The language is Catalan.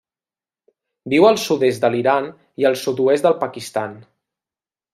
Viu al sud-est de l'Iran i el sud-oest del Pakistan.